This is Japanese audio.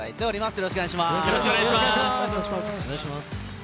よろしくお願いします。